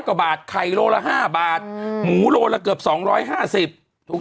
เป็นการกระตุ้นการไหลเวียนของเลือด